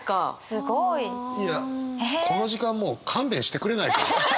すごい！いやこの時間もう勘弁してくれないか。